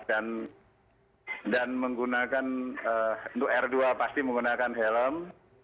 dan menggunakan untuk r dua pasti menggunakan helm